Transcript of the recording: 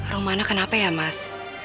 rum mana kenapa ya mas